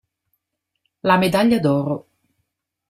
La medaglia d'Oro.